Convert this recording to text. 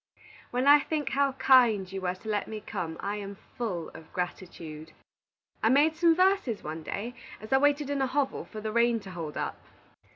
"When I think how kind you were to let me come, I am full of gratitude. I made some verses, one day, as I waited in a hovel for the rain to hold up.